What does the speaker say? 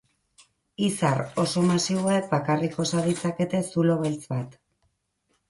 Izar oso masiboek bakarrik osa ditzakete zulo beltz bat.